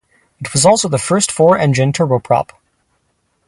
It was also the first four-engined turboprop.